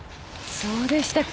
そうでしたか。